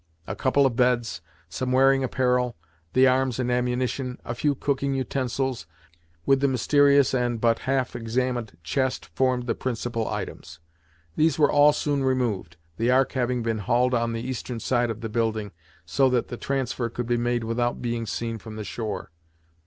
A couple of beds, some wearing apparel, the arms and ammunition, a few cooking utensils, with the mysterious and but half examined chest formed the principal items. These were all soon removed, the Ark having been hauled on the eastern side of the building, so that the transfer could be made without being seen from the shore.